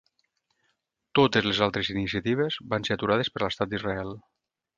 Totes les altres iniciatives van ser aturades per l’estat d’Israel.